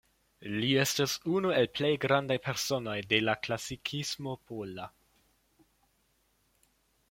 Li estis unu el plej grandaj personoj de la klasikismo pola.